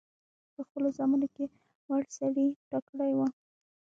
په خپلو زامنو کې وړ سړی ټاکلی وو.